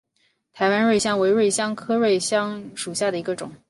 台湾瑞香为瑞香科瑞香属下的一个种。